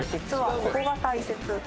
実はここが大切。